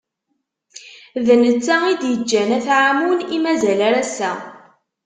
D netta i d-iǧǧan At Ɛamun, i mazal ar ass-a.